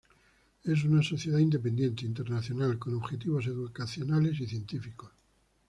Es una sociedad independiente, internacional, con objetivos educacionales y científicos.